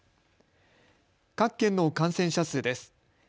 各県の感染者数です。